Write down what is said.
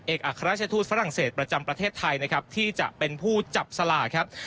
อัครราชทูตฝรั่งเศสประจำประเทศไทยนะครับที่จะเป็นผู้จับสลากครับ